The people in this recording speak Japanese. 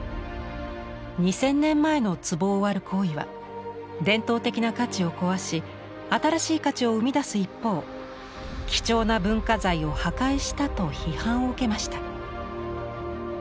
２０００年前の壷を割る行為は伝統的な価値を壊し新しい価値を生み出す一方貴重な文化財を破壊したと批判を受けました。